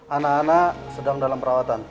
anak anak sedang dalam perawatan